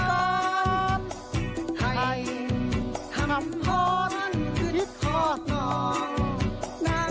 ให้ทำพอร์ตขึ้นทอดนอน